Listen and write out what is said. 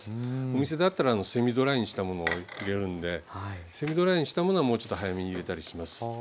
お店だったらセミドライにしたものを入れるんでセミドライにしたものはもうちょっと早めに入れたりします。